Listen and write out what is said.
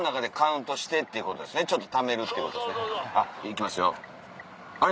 行きますよあれ？